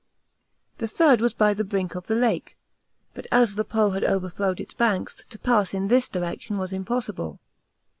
The third was by the brink of the lake; but as the Po had overflowed its banks, to pass in this direction was impossible.